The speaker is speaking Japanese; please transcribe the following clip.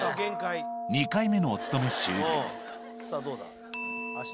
２回目のお勤め終了。